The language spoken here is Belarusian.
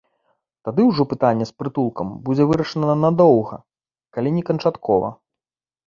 Тады ўжо пытанне з прытулкам будзе вырашана надоўга, калі не канчаткова.